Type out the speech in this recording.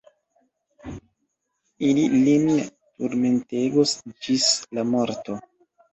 Ili lin turmentegos ĝis la morto.